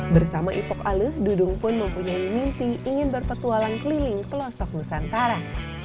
bersama ipok alu dudung pun mempunyai mimpi ingin berpetualang keliling pelosok nusantara